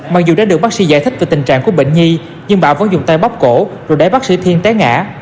mặc dù đã được bác sĩ giải thích về tình trạng của bệnh nhi nhưng bảo vẫn dùng tay bóc cổ rồi đẩy bác sĩ thiên té ngã